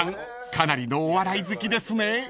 かなりのお笑い好きですね］